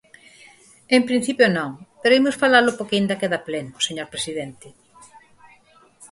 En principio non, pero imos falalo porque aínda queda pleno, señor presidente.